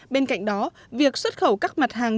bên cạnh đó việc xuất khẩu các mặt hàng